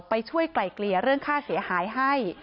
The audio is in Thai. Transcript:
ไปช่วยไกล่เกลี่ยเรื่องค่าเสียหายให้